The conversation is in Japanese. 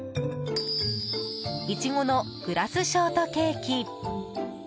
いちごのグラスショートケーキ。